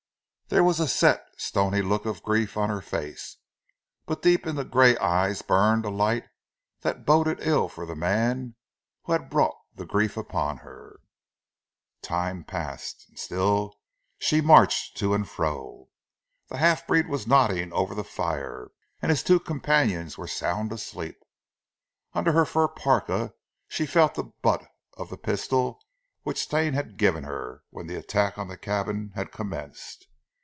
There was a set, stony look of grief on her face; but deep in the grey eyes burned a light that boded ill for the man who had brought the grief upon her. Time passed, and she still marched to and fro. The half breed was nodding over the fire, and his two companions were sound asleep. Under her fur parka she felt the butt of the pistol which Stane had given her, when the attack on the cabin had commenced.